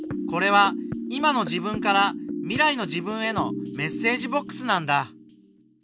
これは今の自分から未来の自分へのメッセージボックスなんだ。